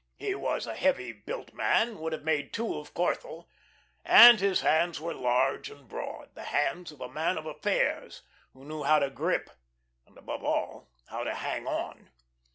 He was a heavy built man, would have made two of Corthell, and his hands were large and broad, the hands of a man of affairs, who knew how to grip, and, above all, how to hang on.